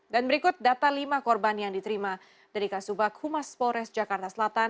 dan berikut data lima korban yang diterima dari kasubag humas polres jakarta selatan